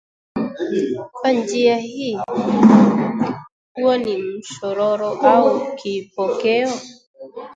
Kwa njia hii huo ni mshororo au kipokeo